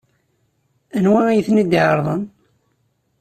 Anwa ay ten-id-iɛerḍen?